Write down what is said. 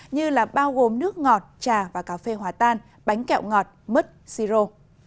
như bao gồm nước ngọt trà và cà phê hòa tan bánh kẹo ngọt mứt si rô